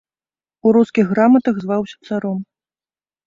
У рускіх граматах зваўся царом.